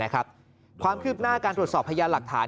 ความคืบหน้าการตรวจสอบพยานหลักฐาน